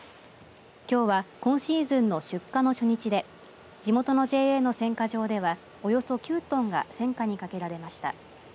きょうは今シーズンの出荷の初日で地元のＪＡの選果場ではおよそ９トンが選果にかけられました。